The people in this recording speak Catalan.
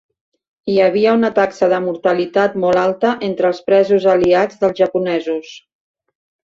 Hi havia una taxa de mortalitat molt alta entre els presos aliats dels japonesos.